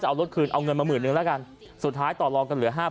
เอารถคืนเอาเงินมาหมื่นนึงแล้วกันสุดท้ายต่อรองกันเหลือห้า